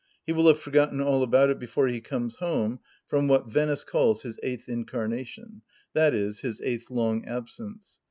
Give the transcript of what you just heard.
He will have forgotten all about it before he comes home, from what Venice calls his eighth incarnation ; that is, his eighth long absence.